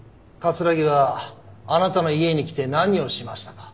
木はあなたの家に来て何をしましたか？